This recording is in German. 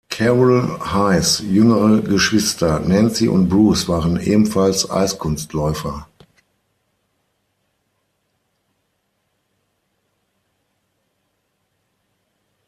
Carol Heiss’ jüngere Geschwister, Nancy und Bruce waren ebenfalls Eiskunstläufer.